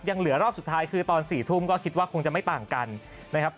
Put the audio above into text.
เหลือรอบสุดท้ายคือตอน๔ทุ่มก็คิดว่าคงจะไม่ต่างกันนะครับ